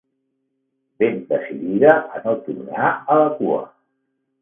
Ben decidida a no tornar a la cua.